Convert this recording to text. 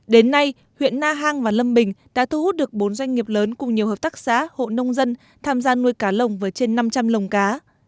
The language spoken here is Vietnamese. đến nay huyện na hàng và lâm bình đã thu hút được bốn doanh nghiệp lớn cùng nhiều hợp tác xã hộ nông dân tham gia nuôi cá lồng với trên năm trăm linh lồng cá